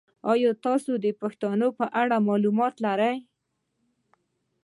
ایا تاسو د پښتنو په اړه معلومات لرئ؟